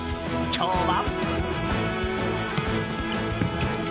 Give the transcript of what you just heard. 今日は。